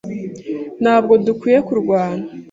Ntabwo dukwiye kurwana.